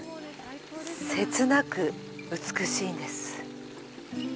切なく、美しいんです。